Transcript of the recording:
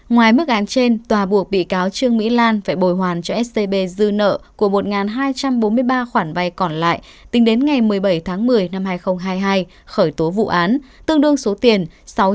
ngoài mức án trên tòa buộc bị cáo trương mỹ lan phải bồi hoàn cho scb dư nợ của một hai trăm bốn mươi ba khoản vai còn lại tính đến ngày một mươi bảy tháng một mươi năm hai nghìn hai mươi hai khởi tố vụ án tương đương số tiền sáu trăm bảy mươi ba tám trăm bốn mươi chín tỷ đồng